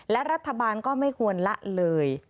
และรัฐบาลก็ไม่ควรละเลย